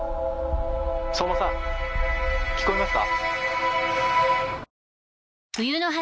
☎相馬さん聞こえますか？